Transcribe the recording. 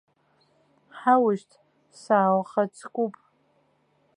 Ҳаушьҭ, сааухаҵкуп.